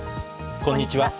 こんにちは。